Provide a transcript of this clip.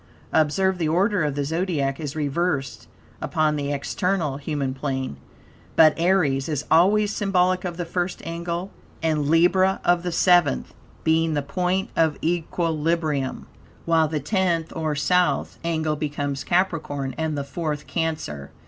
Observe, the order of the Zodiac is reversed upon the external human plane. But, Aries is always symbolical of the first angle, and Libra of the seventh, being the point of equilibrium, while the tenth, or South, angle becomes Capricorn and the fourth Cancer.